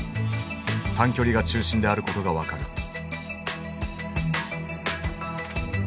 短距離が中心であることが分かる。